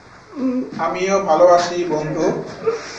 আমিও ভালোবাসি বন্ধু।